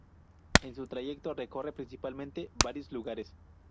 En su trayecto recorre principalmente variados lugares.